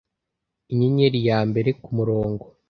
inyenyeri ya mbere k'umurongo